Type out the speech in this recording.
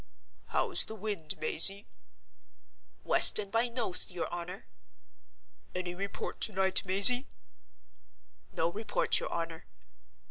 "How's the wind, Mazey?" "West and by Noathe, your honor." "Any report to night, Mazey!" "No report, your honor."